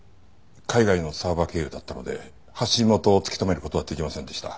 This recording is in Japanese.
海外のサーバー経由だったので発信元を突き止める事はできませんでした。